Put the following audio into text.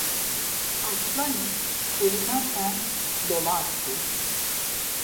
Arslanik şkurinate dolodzgu.